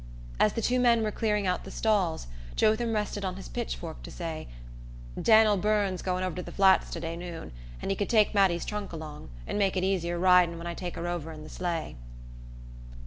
As the two men were clearing out the stalls Jotham rested on his pitch fork to say: "Dan'l Byrne's goin' over to the Flats to day noon, an' he c'd take Mattie's trunk along, and make it easier ridin' when I take her over in the sleigh."